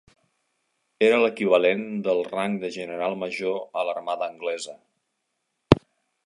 Era l"equivalent del rang de general major a l"armada anglesa.